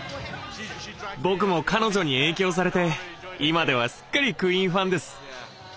僕も彼女に影響されて今ではすっかりクイーンファンです。